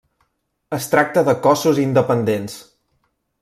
Es tracta de cossos independents.